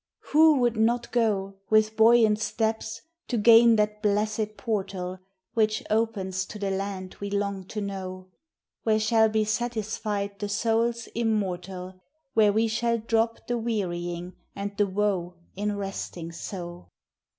" Who would not go " With buoyant steps, to gain that blessed portal, W T hich opens to the land we long to know ? Where shall be satisfied the soul's immortal, Where we shall drop the wearying and the woe In resting so?